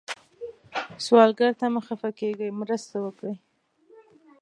سوالګر ته مه خفه کېږئ، مرسته وکړئ